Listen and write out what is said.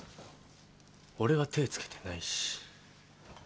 俺は手付けてないし。